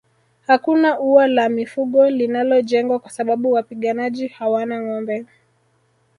Hakuna ua la mifugo linalojengwa kwa sababu wapiganaji hawana ngombe